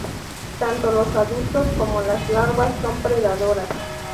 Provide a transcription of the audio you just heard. Tanto los adultos como las larvas son predadoras.